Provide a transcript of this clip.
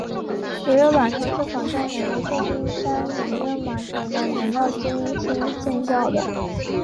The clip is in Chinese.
渔人码头是仿照美国旧金山渔人码头的原貌精心建造的。